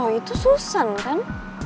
loh itu susan kan